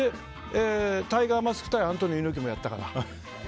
タイガーマスク対アントニオ猪木もやったから。